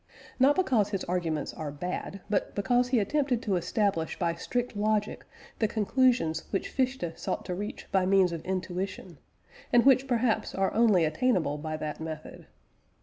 Not because his arguments are bad, but because he attempted to establish by strict logic the conclusions which Fichte sought to reach by means of intuition, and which perhaps are only attainable by that method.